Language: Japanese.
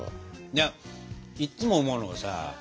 いやいっつも思うのがさ